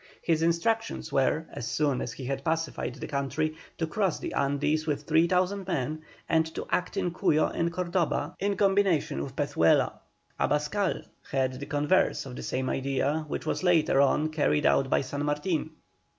His instructions were, as soon as he had pacified the country, to cross the Andes with 3,000 men, and to act in Cuyo and Cordoba in combination with Pezuela. Abascal had the converse of the same idea, which was later on carried out by San Martin.